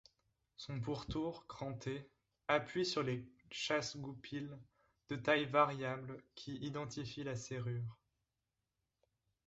Son pourtour, cranté, appuie sur les chasse-goupilles, de tailles variables, qui identifient la serrure.